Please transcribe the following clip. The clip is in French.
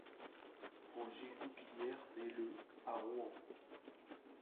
Roger Goupillières naît le à Rouen.